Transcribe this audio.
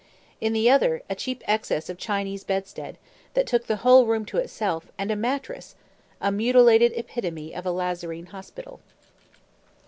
In the other, a cheap excess of Chinese bedstead, that took the whole room to itself; and a mattress! a mutilated epitome of a Lazarine hospital.